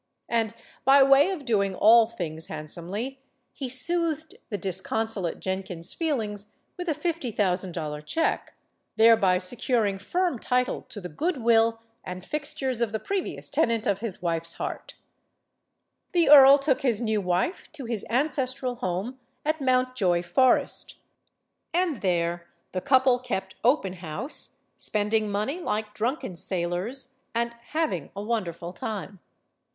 And, by way of doing all things handsomely, he soothed the disconsolate Jenkins* feelings with a nfty thousand dollar check; thereby securing firm title to the good will and fixtures of the previous tenant of his wife's heart The earl took his new wife to his ancestral home, at Mountjoy Forest. And there the couple kept open house, spending money like drunken sailors, and hav ing a wonderful time.